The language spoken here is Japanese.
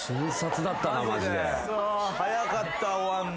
・早かった終わんの。